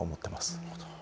なるほど。